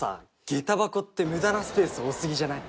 下駄箱って無駄なスペース多すぎじゃない？